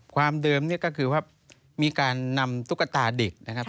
ความเดิมเนี่ยก็คือว่ามีการนำตุ๊กตาเด็กนะครับ